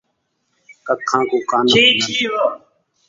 ککھاں کوں کَن ہون٘دن